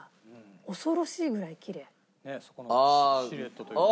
ねえそこのシルエットというか。